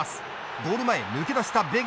ゴール前抜け出したベガ。